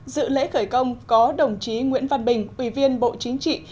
dự lễ khởi công có đồng chí nguyễn văn bình ủy viên bộ chính trị